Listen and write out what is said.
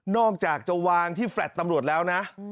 อกจากจะวางที่แฟลต์ตำรวจแล้วนะ